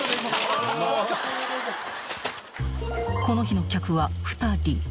［この日の客は２人］